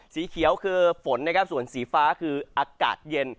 สีเขียวคือฝนนะครับส่วนสีฟ้าคืออากาศเย็น